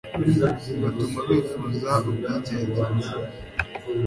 bigatuma bifuza ubwigenge